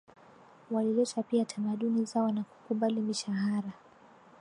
walileta pia tamaduni zao na kukubali mishahara